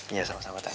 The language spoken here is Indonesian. iya sama sama tante